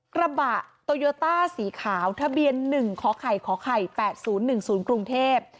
กระบะโตโยต้าสีขาวทะเบียน๑ขอไข่ขไข่๘๐๑๐กรุงเทพฯ